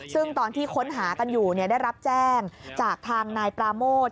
ซึ่งตอนที่ค้นหากันอยู่ได้รับแจ้งจากทางนายปราโมท